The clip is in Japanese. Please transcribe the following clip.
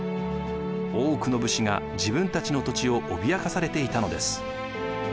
多くの武士が自分たちの土地を脅かされていたのです。